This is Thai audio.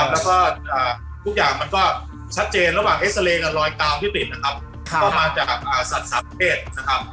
แล้วก็ทุกอย่างมันก็ชัดเจนระหว่างเอ็กซาเรย์กับรอยกาวที่ติดนะครับก็มาจากสัตว์สามเพศนะครับ